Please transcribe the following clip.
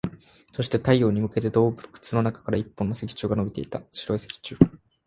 そして、太陽に向けて洞窟の中から一本の石柱が伸びていた。白い石柱。